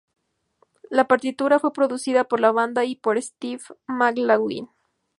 La partitura fue producida por la banda y por Steve McLaughlin.